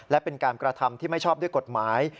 และเป็นการกระทำที่ไม่ชอบด้วยกฎหมาย